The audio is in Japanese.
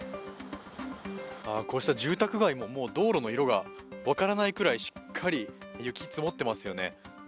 こうした住宅街も道路の色が分からないくらいしっかり雪積もってますよね。